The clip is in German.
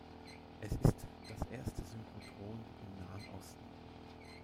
Es ist das erste Synchrotron im Nahen Osten.